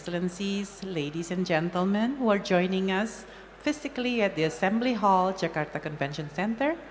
yang bergabung dengan kami secara fisik di asambly hall jakarta convention center